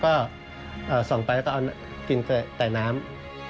ก็ส่องไปก็เอากินแต่น้ำ